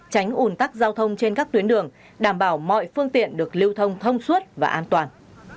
tránh ủn tắc giao thông trên các tuyến đường đảm bảo mọi phương tiện được lưu thông thông suốt và an toàn